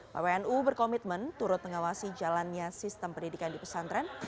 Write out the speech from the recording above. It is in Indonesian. pwnu berkomitmen turut mengawasi jalannya sistem pendidikan di pesantren